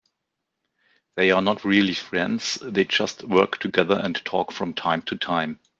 They are not really friends, they just work together and talk from time to time.